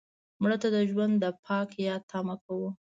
مړه ته د ژوند د پاک یاد تمه کوو